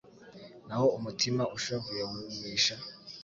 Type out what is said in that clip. naho umutima ushavuye wumisha